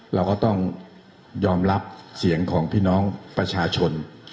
เราก็ต้องยอมรับเสียงของพี่น้องประชาชน